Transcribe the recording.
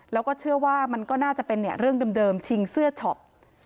แล้วก็เชื่อว่ามันก็น่าจะเป็นเรื่องเดิมชิงเสื้อช็อป